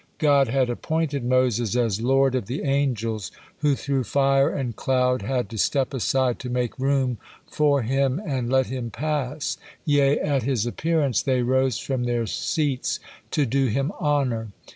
God had appointed Moses as lord of the angels, who through fire and cloud had to step aside to make room for him and let him pass, yea, at his appearance they rose from their seats to do him honor.